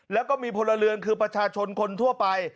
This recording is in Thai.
แล้วก็มีพลเรือนคือประชาชนคนทั่วไป